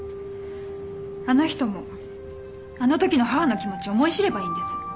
あの人もあのときの母の気持ち思い知ればいいんです。